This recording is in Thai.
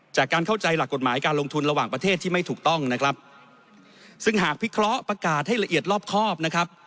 จากการเข้าใจหลักกฎหมายการลงทุนระหว่างประเทศที่ไม่ถูกต้องนะครับซึ่งหากพิเคราะห์ประกาศให้ละเอียดรอบครอบนะครับ